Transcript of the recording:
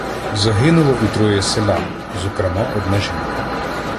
Загинуло і троє селян, зокрема одна жінка.